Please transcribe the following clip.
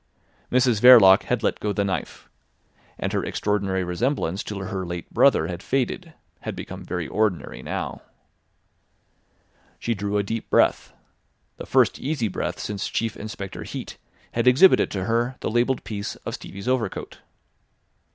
Mrs Verloc had let go the knife, and her extraordinary resemblance to her late brother had faded, had become very ordinary now. She drew a deep breath, the first easy breath since Chief Inspector Heat had exhibited to her the labelled piece of Stevie's overcoat.